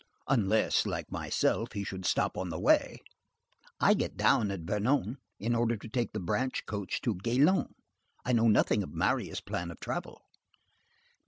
"Unless, like myself, he should stop on the way. I get down at Vernon, in order to take the branch coach for Gaillon. I know nothing of Marius' plan of travel."